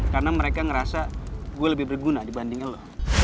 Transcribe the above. karena mereka ngerasa gue lebih berguna dibandingin lo